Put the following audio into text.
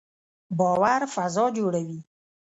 باور فضا جوړوي